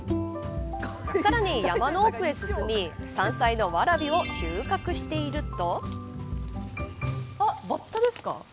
さらに山の奥へ進み山菜のワラビを収穫していると。